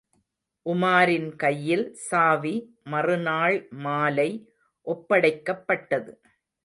உமாரின் கையில் சாவி மறுநாள் மாலை ஒப்படைக்கப் பட்டது.